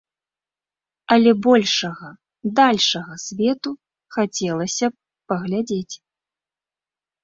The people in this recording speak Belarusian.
Але большага, дальшага свету хацелася б паглядзець.